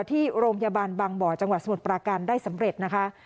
ที่โรงพยาบาลบางบ่อจังหวัดสมุทรปราการได้สำเร็จนะคะ